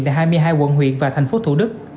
tại hai mươi hai quận huyện và thành phố thủ đức